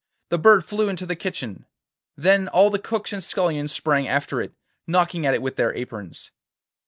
The bird flew into the kitchen. Then all the cooks and scullions sprang after it, knocking at it with their aprons.